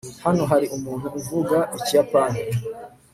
hano hari umuntu uvuga ikiyapani